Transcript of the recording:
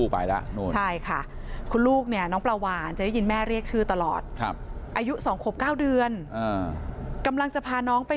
ไปข้างในไปข้างใน